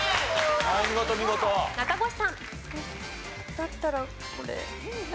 だったらこれ。